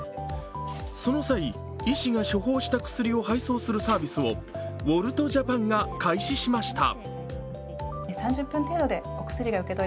その際、医師が処方した薬を配送するサービスをＷｏｌｔＪａｐａｎが開始しました。